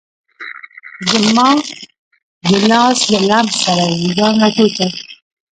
زما د لاس له لمس سره یې ځان را ټول کړ.